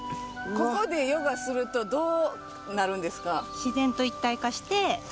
ここでヨガするとどうなるんですか？